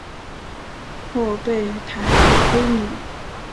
后被弹劾归里。